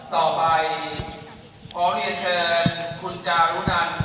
เขาได้เชิญคุณจารุนัน